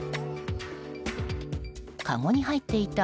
かごに入っていた